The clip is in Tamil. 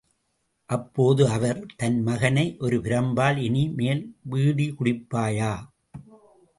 அப்போது அவர், தன் மகனை ஒரு பிரம்பால் இனி மேல் பீடி குடிப்பாயா?